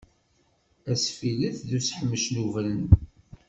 Asfillet d useḥmec nubren.